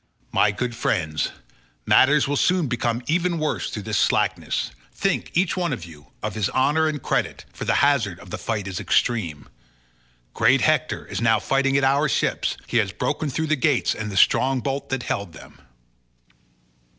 My good friends, matters will soon become even worse through this slackness; think, each one of you, of his own honour and credit, for the hazard of the fight is extreme. Great Hector is now fighting at our ships; he has broken through the gates and the strong bolt that held them."